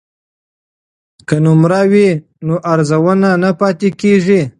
که نمره وي نو ارزونه نه پاتې کیږي.